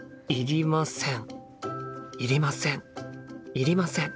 いりません。